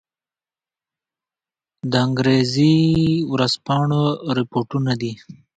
د انګرېزي ورځپاڼو رپوټونه دي.